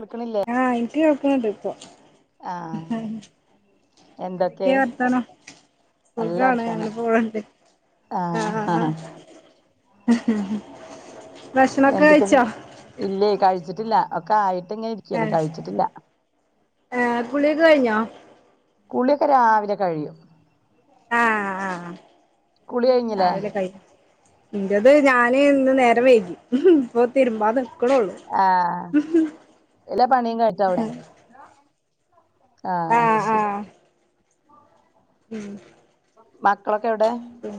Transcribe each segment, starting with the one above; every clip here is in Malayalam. വിളിക്കണില്ലേ ആഹ് ഇനിക്ക് കേക്ക്ണ്ടപ്പം ആഹ് എന്തൊക്കെ എന്തൊക്കെയാ വർത്താനം നല്ല സുഖാണ് അങ്ങനെ വർത്താനം പോവണ്ട് ആഹ് ആഹ് ആഹ് ഭക്ഷണൊക്കെ എന്തൊക്ക കഴിച്ചോ ഇല്ലേ കഴിച്ചിട്ടില്ല ഒക്കെ ആയി ങ്ങ ഇരിക്കാണ് ഏഹ് കഴിച്ചിട്ടില്ല ഏഹ് കുളിയൊക്കെ കഴിഞ്ഞോ കുളിയൊക്കെ രാവിലെ കഴിയും ആ ആ ആ ആ കുളി കഴിഞ്ഞില്ലേ രാവിലെ കഴിയും എന്റേത് രാ ത്രി ഇന്ന് നേരം വൈകി ഇപ്പം തിരുമ്പാന്ന് ആഹ് എല്ലാ പണിയും കഴിഞ്ഞോ അവിടെ [unintelligible] ആഹ് അത് ശരി ഉം മക്കളൊ ഉം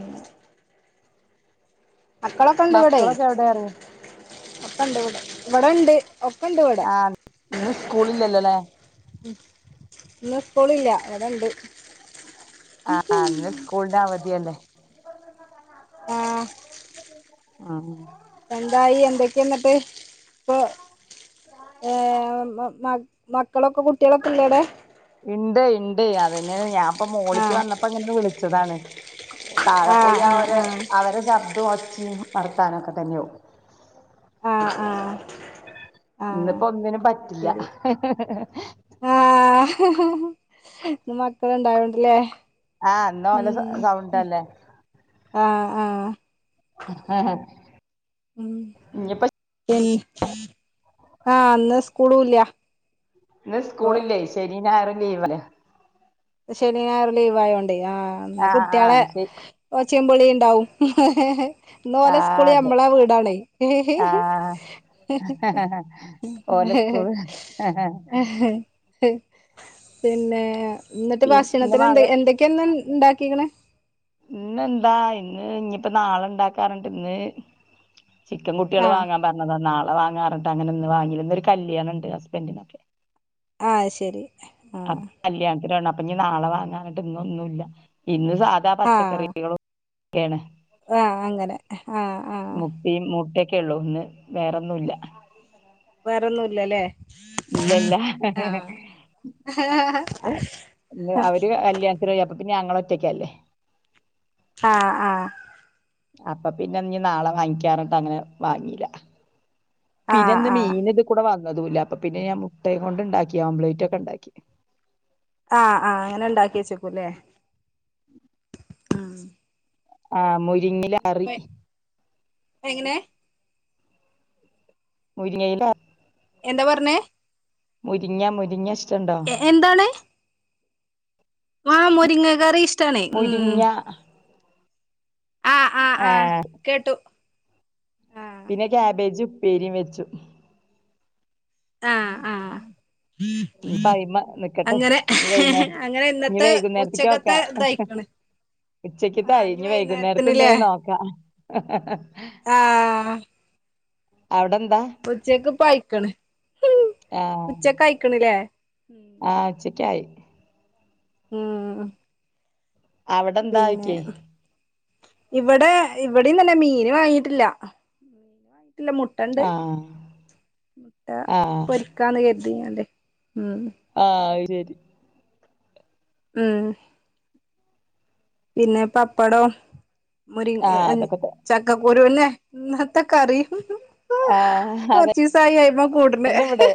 മക്കളൊക്കെണ്ട് ഇവിടെ മക്കളൊക്കെ എവിടെ പറയ അപ്പണ്ട് ഇടെ ഇവിടെണ്ട് ഒക്കെ ഉണ്ടിവിടെ ആഹ് ഇന്ന് സ്കൂളില്ലല്ലോ അല്ലേ ഉം ഇന്ന് സ്കൂളില്ല ഇവിടൊണ്ട് ആഹ് ഇന്ന് സ്കൂളിന് അവധി തന്നേ ഓ ആ എന്തായി എന്തൊക്കെയാ എന്നിട്ട് ഇപ്പൊ ഏ മക്കളൊക്കെ കുട്ടികളൊക്കെ ഇല്ലേ അവിടെ ഇണ്ട് ഇണ്ട് അതന്നേണ് ഞാന്പ്പ ആ മോളിക്ക് വന്നപ്പങ്ങനെ വിളിച്ചതാണ് ആ താഴെപോയി ആ ആ അവരെ അവരെ ശബ്ദം ഒച്ചയും വർത്താനൊക്കെതന്നെയാവും ആഹ് ആഹ് ഇന്നിപ്പ ഒന്നിനും പറ്റില്ല മക്കളുണ്ടായൊണ്ടില്ലേ ആഹ് ഇന്നോല്ലെ സൗ സൗണ്ടാല്ലേ ആഹ ആഹ ആഹാഹാ ഉ പിന്ന ആ അന്ന് സ്കൂളുല്ല ഇന്ന് സ്കൂളില്ലേ ശനിയും ഞായറും ലീവ് അല്ലേ ശനി ഞായർ ലീവ് ആയോണ്ട് അന്ന് ആ ആ കുട്ടികളെ- ശരി ചച്ചപളി ഉണ്ടാ [unintelligible] വും്ന്നോഓല ആ സ്കൂളി അതെ നമ്മളെ വീടണ ആ ഓലെ സ്കൂള് ആഹ [unintelligible] പിന്നെ എന്നിട്ട് പി ഇന്ന് ഭക്ഷണത്തിന് മഴ എന്ത എന്തൊക്കെയാ ഇന്ന് ഉണ്ടാക്കിയെക്കുന്നെ ഇന്നെന്താ ഇന്ന് ഇനിയിപ്പോ നാളെ ഇണ്ടാക്കാറുണ്ട് ഇന്ന്- ചിക്കൻ ആ കുട്ടികള് വാങ്ങാൻ പറഞ്ഞതാ നാളെ വാങ്ങാം അങ്ങനെ ഇന്ന് വാങ്ങിയില്ല ഒരു കല്യാണുണ്ട് ഹസ്ബൻഡിനൊക്കെ ആ ശരി ആ ഇഞ്ഞി നാളെ വാങ്ങാനായിട്ട് ഇന്നൊന്നുമല്ല ഇന്ന് സാധാ ആ പച്ചക്കറികളും ഒക്കെയാണ് ആ അങ്ങനെ ആഹ് ആഹ് ക്കെള്ളൂ ഇന്ന് വേറെന്നുമില്ല വേറെ ഒന്നുയില്ല അല്ലേ ഇല്ലഇല്ല അവര് അല്യാസ [unintelligible] പിന്നെ ഞങ്ങള് ഒറ്റക്കല്ലേ ആഹ് ആഹ് അപ്പൊ പിന്നെ ഇനി നാളെ വാങ്ങിക്കാറണ്ട് അങ്ങനെ വാങ്ങിയില്ല ആ പിന്നെന്ത് ആ മീന ഇതീക്കൂടേ വന്ന്- വന്നതുമയില്ല അപ്പൊ പിന്നെ ഞാൻ മുട്ടയും കൊണ്ട് ഇണ്ടാക്കി ഓംലൈറ്റ് ഒക്കെ ഇണ്ടാക്കി ആഹ് ആഹ് അങ്ങനെ ഉണ്ടാക്കിച്ചക്കൂല്ലേ ആഹ് ആഹ്‌ മുരിങ്ങില അറി എങ്ങനെ മുരിങ്ങേയില എന്താ പറഞ്ഞേ മുരിങ്ങ മുരിങ്ങ ശ് എ എന്താണ് ആ മുരിങ്ങ കറി ഇഷ്ടണേ ഉം മുരിങ്ങ ആ കേട്ടു ആ പിന്നെ കാബേജ് ഉപ്പേരിം വെച്ചു ആ ആ ഇനിപ്പ അയിമ നിക്കട്ടെ അങ്ങനെ ഇനി വൈന്നേര അങ്ങനെ ഇനി ഇന്നത്തെ ഉച്ചക്കത്തെ തായ്ക്ക്ണ് ഉച്ചക്ക്ത്തായി ഇഞ്ഞ് വൈകുന്നേര്ത്തെന്തേലും നോക്കാ ആ അവ്ടെ ഉച്ചക്ക്പ്പായ്ക്ക്ണ് ആഹ് ഉച്ചക്കായ്ക്ക്ണ്ല്ലേ ആഹ് ഉച്ചക്കായി ഉം അവിടെന്താ ആക്ക്യേ ഇവടെ ഇവടെ തന്നെ മീന് വാങ്ങീട്ട്ല്ല ഇല്ല മുട്ടണ്ട് ആഹ് മുട്ട ആഹ് പൊരിക്കാന്ന് കര്തികാണ്ടേ ഉം ശെരി ആ പിന്നെ പപ്പടം മുരി ആഹ് അതൊക്കെ ത ചക്കക്കുരൂന്നെ ന്നൽത്തെ കറി ആഹ് കൊർച്ചീസായി അയ്മ കൂട്ണ് അതന്നെ ഇവിടെ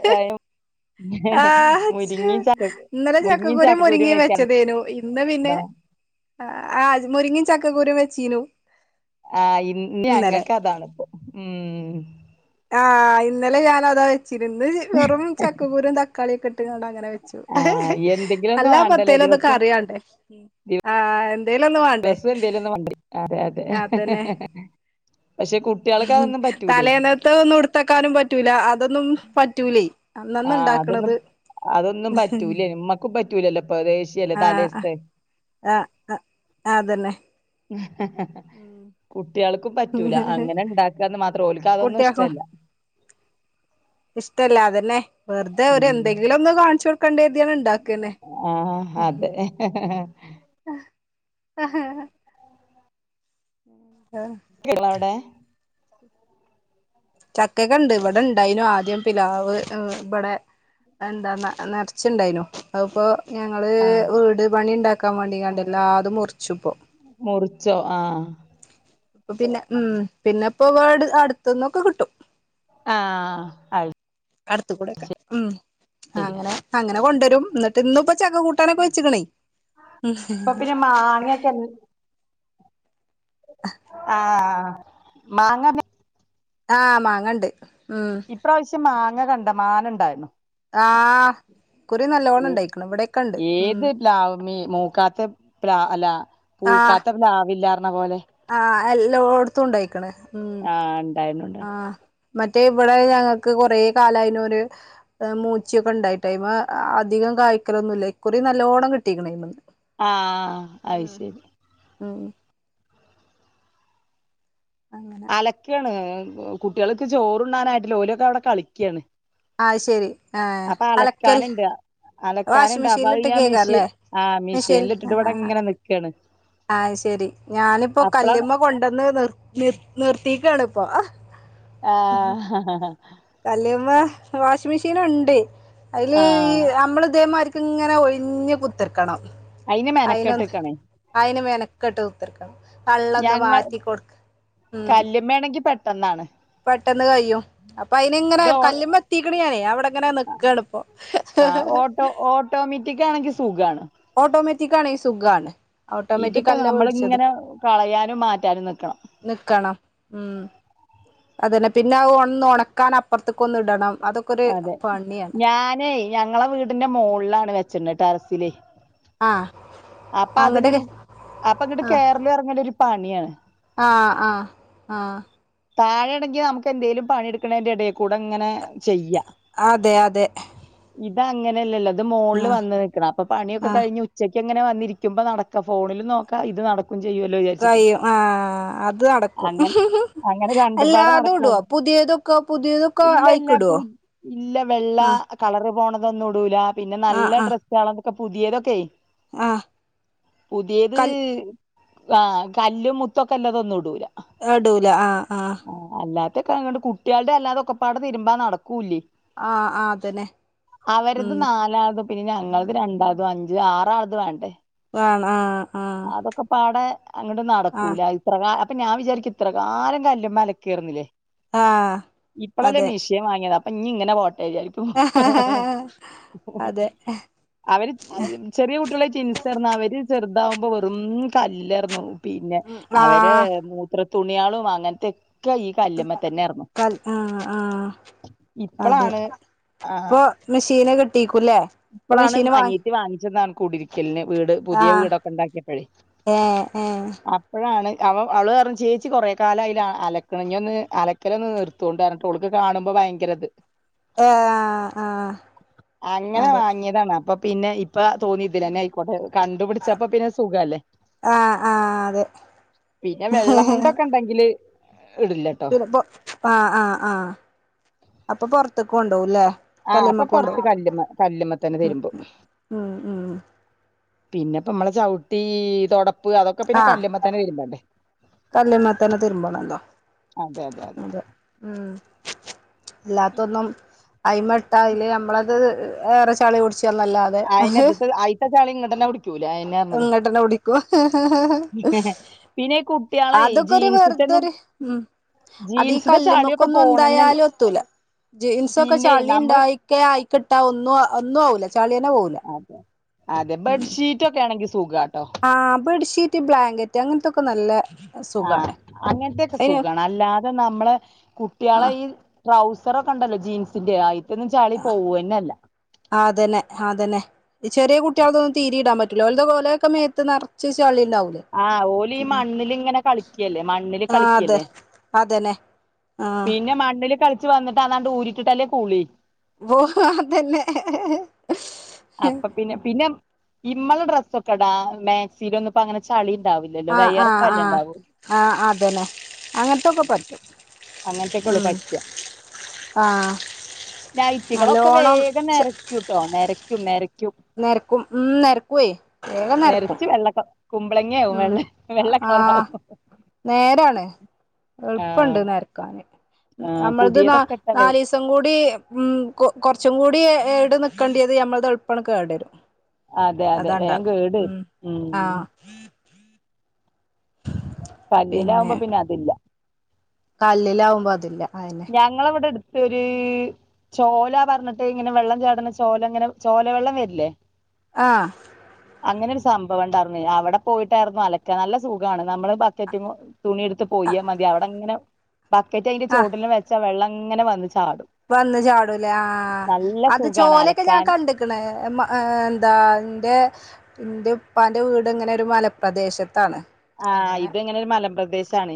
ആ ച്ച് മുരിങ്ങയും ചക്ക ഇന്നലെ മുരിങ്ങയും ചക്കക്കുരും മുര്ങ്ങിം വെക്കാനുണ്ടോ വെച്ചതേനു ഇന്ന് പിന്നെ അ ആ മുര്ങ്ങിം ചക്കക്കുരും വെച്ചീനു ആ ഇന്ന് ഇന്നലെ ഞങ്ങക്കതാണ് പ്പൊ ഉം ആ ഇന്നലെ ഞാനതാ വെച്ചീനെ ഇന്ന് വെറും ച ക്ക കുരും തക്കാളിയൊക്കെട്ട്ക്കാണ്ട് അങ്ങനെ വെച്ചു ആഹ് എന്തെങ്കിലും ഒന്ന് വേണ്ടല്ലേ അല്ലാപ്പത്തേലൊന്ന് ദിവസം കറിയാണ്ടേ ആ എന്തേലൊന്നു മാണ്ടേ ദിവസം എന്തേലും ഒന്ന് വേണ്ട അതെ അതെ അതെന്നെ ഉ പക്ഷെ കുട്ടികൾക്ക് അതൊന്നും പറ്റൂലേ തലേന്നത്തതാെന്നും ഇട്ത്തെക്കാനും പറ്റൂല അ തൊന്നും പറ്റൂലേ ആ അന്നന്ന് അതൊന്നും ഇണ്ടാക്ക്ണത് അതൊന്നും പറ്റൂലേ മ്മക്കും പ റ്റൂലല്ലോപ്പത് ദേശ്യല്ലേ താലേസ്‌തെ ആ അ അതന്നെ ഉം കുട്ട്യാള് ക്ക് പറ്റൂല അങ്ങനെണ്ടാക്കാന്ന് മാത്രം ഓൽക്ക് അതൊന്നും കുട്ടികൾക്കും ഇഷ്ടല്ല ഇഷ്ടല്ല അതന്നെ വെർതെ ഒര് ഉം എന്തെങ്കിലും ഒന്ന് കാണ്ച്ചൊട്ക്കെണ്ടെര് ആ അതെ ഹ ഹാ ഹ് ഉം ട്ട്യാളെവ്ടെ ചക്കക്കെണ്ട് ഇവടെണ്ടായിനു ആദ്യം പിലാവ് ബടെ എന്താ നെ നെർച്ച്ണ്ടായ്നോ അത്പ്പോ ഞങ്ങള് ആ വീട് പണിണ്ടാക്കാൻ മാണ്ടികാണ്ടേ എല്ലാതും മുർച്ചുപ്പോ മുർച്ചോ ആ അപ്പൊ പിന്നെ ഉം പിന്നെപ്പൊ വ്ട് അട്ത്ത്ന്നൊക്കെ ക്ട്ടും ആ അയൽ അട്ത്ത് കൂടെക്കെ ഉം അങ്ങനെ അങ്ങനെ കൊണ്ടരും ന്നട്ട് ഇന്ന്പ്പം ചക്ക കൂട്ടാനൊക്കെ വെച്ച്ക്ക്ണേ ഇപ്പൊ പിന്നെ മാങ്ങയൊക്കെ ഇൻ- ആ മാങ്ങ ആ മാങ്ങണ്ട് ഉം ഇപ്രാവശ്യം മാങ്ങ കണ്ടമാനംണ്ടായിര്ന്നു ആഹ ഏ ഉം ഏത് ലാവ്മീ മൂക്കാത്ത പ്ല അല്ല പൂക്കാത്ത പ്ലാവവില്ല ആഹ എല്ലോടത്തും ഉണ്ടായിക്കണേ ഉം ആ ഉണ്ടായിരുന്നു ഉണ്ടായിരുന്നു. ആഹ മറ്റേ ഇവിടെ ഞങ്ങൾക്ക് കുറെേ കാലായനും ഒരു മൂച്ചയൊക്കെ ഉണ്ടായിട്ടായി്മ അധികം കായ്ക്കലൊന്നുമല്ല കുറി നല്ലോണം കിട്ടീണേന്ന് ആഹ അത് ശരി ഉം അങ്ങനെ അലക്കാണ് കുട്ടികൾക്ക് ചോറണ്ടാനായിട്ടില്ല ഓലൊക്കെ അവിടെ കളിക്കുകയാണ് ആ ശെരി ആഹ അലക്കൽ അലക്കാനുണ്ട് വാഷിങ് അലക്കാനുണ്ട് അപ്പൊ അത് മെഷീനിലിട്ട് ഞാൻ മെഷീൻ കേക്കല്ലേ ആഹ് മെഷീൻ മെഷീനിൽ ഇട്ടിട്ട് ഇവിടെ ഇങ്ങനെ നിക്കാണ് ആഹ ശെരി ഞാനിപ്പോ അപ്പളാണ് കല്ലുമേ കൊണ്ടന്ന് നിർ നിർ നിർത്തിക്കാണ് ഇപ്പ ആഹ ആ കല്ുമ്പ വാഷിംഗ മെഷീൻ ഉണ്ട് അതില് ഈ ആഹ് നമ്മള് ഇതേമാ ഇങ്ങനെ ഒഴിഞ്ഞഞ് കുത്തിർക്കണം അയിന് അ മെനക്കെട്ട്ക്കാണ് അയിന് മേന ഘട്ട് ഉത്തർക്കണ്് ഞങ്ങ ഉം കല് വേണെങ്കി പെട്ടെന്നാണ് പെട്ടെന്ന് കയിയും അപ്പൊ അയിന് ഇങ്ങനെ ഇത് ഓ കല്ലുമ്പ എത്തിക്കണ ഞാനേ അവിടെങ്ങനെ നക്കണിപ്പൊ ആഹ ഓട്ടോ ഓട്ടോമറ്റക് ഓട്ടോമെറ്റക് ആണ് ഈ സുഗാണ് ഇതിപ്പോ നമ്മള ഇങ്ങനെ കളയാനും മാറ്റാനും നക്കണം നിക്കണം ഉം അതന്നെ പിന്നെ ഒന്ന് ഉണക്കാൻ അപ്പുറത്തേക്ക് ഒന്ന് ഇടണം അതൊക്കെ ഒരു അതെ പണിയാണ് ഞാനേ ഞങ്ങളെ വീടിന്റെ മോുകളിലാണ് വെച്ചിണ്ടട്ട് തറസിലി ആഹ് അപ്പൊ അങ്ങട് അതിനൊരു അപ്പൊ എന്നിട്ട് കേരളം ഇറങ്ങണ്ട ഒരു പണിയാണ് ആ ആ ആ താഴെണെങ്കിൽ നമ്മക്ക് എന്തെങ്കലും പണി എടുക്കണേന്റെ ഇടെ കൂടെ ങ്ങനെ. അതെ അതെ അത് അങ്ങനെയല്ലോ അത് മുകളളിൽ ആഹ് വന്ന് നൽക്കണം അപ്പൊ പണിയൊക്കെ ആഹ് കഴിഞ് ഉച്ചയ് എങ്ങനെ വന്നിരിക്കുമ്പോ നടക്കാം ഫോണിൽ നോക്കാം ഇത് നട കൈയും ആ അത് നടക്കും അങ്ങനെ അങ്ങനെ രണ്ടപാട എല്ലാതും നടക്ക ഇടുവോ പുതിയതൊക്കെ പുതിയതൊക്കെ ഇല്ല അയിക്കിടുവോ ഇല്ല വെ ആഹ് പോണതൊന്നും ഇടൂല പിന്നെ നല്ല ആഹ് ആഹ് ഡ്രസ്സ് ആണതൊക്കെ പുതിയതൊക്കെ ആഹ് പുതിയത് കൽ ആഹ് കല്ലും മുത്തൊക്കെ എല്ലാതൊന്നും ഇടൂല ആഹ അല്ലാത്തക്കണ്ട് കുട്ടികളുടെ അല്ലാതെക്കൊടെതിരുമ്പാ നടക്കും കൂലി ആഹ് ആഹ് അതന്നെ ഉം അവരത് നാലാത് പിന്നെ ഞങ്ങത് രണ്ടാതും അഞ്ചും ആറാളത് വേണ്ടെ വേണം ആഹ് ആഹ് അതൊക്കെ പാടെ അങ്ങോട്ട് ആഹ് നടക്കൂല ഇത്രാല അപ്പൊ ഞാൻ വിചാരിക്കും ഇത്രകാല ആരും കല്ലുമേ അലകാരന്നില്ലേ ആഹ് ഇപ്പോഴല്ലേ അതെ മീഷിയൻ വാങ്ങിയത അപ്പൊ നനി ഇങ്ങനെ പോട്ട അതെ അവര് ചെറിയ കുട്ടികളാ ൻസർന്ന അവര് ചെറുതാവുമ്പോ വെറും കല്ലറന്നു പിന്നെ ഉം അവര് ആഹ് മൂത്രത്തി തുണിയളും അങ്ങനത്തെ ഒക്കെ ഈ കല്ലമ്മ തന്നെന്നു കൽ ആഹ് ആഹ് അതെ ഇപ്പളാണ് ആഹ ഇപ്പൊ മെഷീന് കിട്ടീക്കുല്ലേ ഇപ്പൊ ഇപ്പോഴാണ് മെഷീന് വാങ്ങി അനേറ്റ് വാങ്ങിച്ചതാണ് കുടരിക്കലിന് വീട് പുതിയ ആഹ് വീടൊക്കെ ഉണ്ടാക്കിയപ്പോഴേ ഏഹ് ഏഹ് അപ്പോഴാണ് അവ അവള കാരണം ചേച്ചി കുറെേ കാലംലാണ് അലക്കണിഞ്ഞന്ന് അലക്കല നിർത്തുക കൊണ്ടായിര കേട്ട് ഉളക്ക് കാണ്പോ ഭയങ്കരത് ആഹ് ആഹ് അങ്ങനെ അതെ വാങ്ങിയതാണ് അപ്പൊ പിന്നെ ഇപ്പ തോന്നിയതില്ല എന്നെ ആയിക്കോട്ടെ കണ്ടുപിടിച്ചപ്പ പിന്നെ സുഖല്ലേ ആഹ് ആഹ് അതെ പിന്നെ വെള്ളമുണ്ടൊക്കെ ണ്ടെങ്കില് പിന്നെൊ ആ ആഹ് ആഹ അപ്പൊ പുൊറത്തേക്ക ഉണ്ടകല്ലേ ആഹ അപ്പൊ പൊറത്ത് കല്ലുമ്മ കല്ലുമ്മ തന്നെ തരുമ്പോ ഉം ഉം പിന്നെപ്പ നമ്മളെ ചവിട്ടി തൊട. ആഹ് കല്മാത്തന്നെ തതിരുമ്പണന്തോ അതെ ഉം അല്ലാത്തൊന്നും അയിമട്ട അല് നമ്മളത് ഏറെ ചളി കുടിച്ച നല്ലാതെ അതിന്റെ അഹ് ഇതിത്തെ അയിത്ത ചളി ഇങ്ങോട്ട് തന്നെ പിടിക്കൂല അതന്നെ പറഞ്ഞത് ഇങ്ങോട്ടന്നെ കുടിക്കും പിന്നെ ഈ കുട്ടികളെ അതൊക്കെരു വെ ജീൻസിട്ടൊന്നും ഇതൊരു ഉം അതീ ജീൻസിന്റെ ചളിയൊക്കെ കല്ല്മൊക്കൊന്നും പോണെന്നെ എന്തായാലും ഒത്തൂല ജീൻസൊക്കെ പിന്നെ ചളി നമ്മൾ ഉണ്ടായിക്ക ആയിക്കിട്ടാ ഒന്നും ഒന്നും ആവൂല ചളിയന്നെ പോവൂല അതെ അതെ ബെഡ്ഷീറ്റ് ഒക്കെ ആണെങ്കിൽ സുഖ. ആ ബെഡ്ഷീറ്റ് ബ്ലാങ്കറ്റ് അങ്ങൻത്തൊക്കെ നല്ല ആഹ സുഖാണ് അങ്ങനത്തെക്കെ അയിന് സുഖമാണ് അല്ലാതെ നമ്മള് ആ കുട്ടികളെ ഈ ട്രൗസറൊക്കെ ഉണ്ടല്ലോ ജീൻസിന്റെ ആയി ആ ആ തന്നെ ആ തന്നെ ചെറിയ കുട്ടികൾതൊന്നും തീരിയിടാൻ പറ്റ [unintelligible] കോലയൊക്കെ മേത്ത് നറ്ച്ച് ചള്ളി ആഹ ഓല ഈ മണ്ണില് ഇങ്ങനെ കളിക്കല്ലേ മണ്ണില് ആ അതെ കളിക്കല്ലേ അതന്നെ ആ പിന്നെ മണ്ണില് കളിച്ച് വന്നിട്ട് അതാണ്ട് ഊരിട്ടിട്ടല്ലേ കൂളി പോ തന്നെ അപ്പൊ പിന്നെ പിന്നെ ഇമ്മള ഡ്രസ്സൊക്കെ ഇടാ മാക്സിൽ ഒന്നപ്പ അങ്ങനെ ചളി ഉണ്ടാവില്ലല്ലോ ആ ആ ആ വെയ്യറ്പ്പല്ലെണ്ടാവു ആ അതന്നെ അങ്ങനത്തൊക്കെ മം പറ്റും അങ്ങനത്തെകൊളളു ഉം പച്ച ആഹ് നൈറ്റുകളൊക്കെ നല്ലോണം വേഗം ചെ നിരക്കൂട്ടോ നരക്കും നരക്കും നെരക്കും ഉം നെ രക്കുവേ വേഗം നെരക്കും നെരച്ച് വെള്ള ക കുമ്പളങ്ങയാവും ഉം വെള്ള വെള്ള ആഹ കളറാവും നേരാണ് എളുപ്പുണ്ട് ആഹ് നേരക്കാന് ആ നമ്മളത് ന പുതിയതൊക്കെ ഇട്ട വേ നാല്സം കൂടി ഉം കൊ കുറച്ചും കൂടി ഏട് നിക്കക്കണ്ടത് ഞമ്മളുടെ ഉൾപ്പണ കേടരും അതെ അതെ അതാണ്ടാ വേം കേടരും മം ഉം ആ കല്ലിലാകുമ്പോ പിന്നെ അതില്ല കല്ലിലാവുമ്പോ അതില്ല അയന്നെ ഞങ്ങളവിടെ എടു ഒരു ചോലാ പറഞ്ഞിട്ട് ഇങ്ങനെ വെള്ളം ചാടണ ചോല ഇങ്ങനെ ചോലവെള്ളം വരില്ലേ ആഹ് അങ്ങനെ ഒരു സംഭവം ഉണ്ടായിരുന്നു അവിടെ പോയിട്ടായിരുന്നു അലക്ക നല്ല സുഖമാണ് നമ്മളെ ബക്കറ്റ് തുണി എടുത്ത് പോയൽ മതി അവിടെ അങ്ങനെ ബക്കറ്റ് അയ്ന്റെ ചോ ആഹ് വെള്ളങ്ങനെ വു വന്ന് ചാടൂല്ലേ ആഹ് നല്ല അത് സുഖാണ് ചോലൊക്കെ ഞാൻ അലക്കാൻ കണ്ടക്കണ എന്താ എന്റെ ന്റെ പ്പാന്റെ വീട് ഇങ്ങനെ ഒരു മലപ്രദേശത്താണ്. ആ അങ്ങനെ ഇത് ഇങ്ങനെ ഒരു മലമ്പ്രദേശാണ്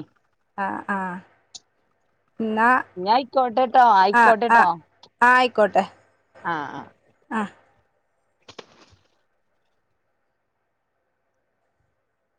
ആഹ് ആഹ് ന്ന ഇഞ്ഞാ ആയിക്കോട്ടെട്ടോ ആ ആ ആയിക്കോട്ടെട്ടോ ആയിക്കോട്ടെ ആഹ് ആഹ് ആ